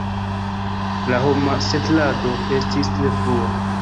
La homa setlado estis tre frua.